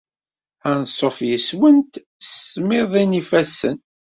Anṣuf yes-went s tmiḍi n yifassen.